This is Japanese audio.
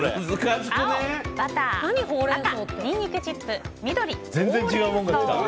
青、バター赤、ニンニクチップ緑、ホウレンソウ。